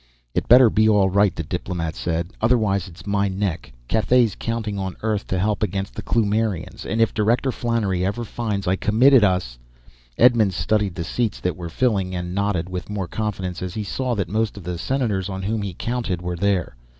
"It better be all right," the diplomat said. "Otherwise, it's my neck. Cathay's counting on Earth to help against the Kloomirians, and if Director Flannery ever finds I committed us " Edmonds studied the seats that were filling, and nodded with more confidence as he saw that most of the senators on whom he counted were there.